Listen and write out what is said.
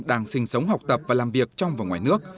đang sinh sống học tập và làm việc trong và ngoài nước